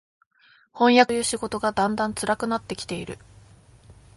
飜訳という仕事がだんだん辛くなって来ている